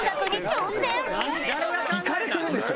いかれてるでしょ？